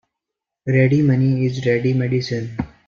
Ready money is ready medicine.